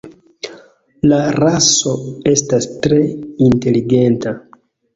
La raso estas tre inteligenta.